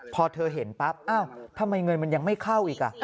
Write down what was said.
พอเธอเห็นปั๊บอ้าวทำไมเงินมันยังไม่เข้าอีก